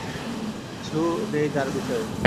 কিছু নেই তার বিষয়ে।